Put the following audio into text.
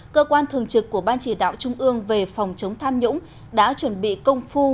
cơ quan thường trực của ban chỉ đạo trung ương về phòng chống tham nhũng đã chuẩn bị công phu